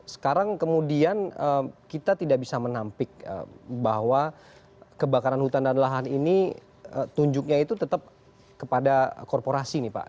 sekarang kemudian kita tidak bisa menampik bahwa kebakaran hutan dan lahan ini tunjuknya itu tetap kepada korporasi nih pak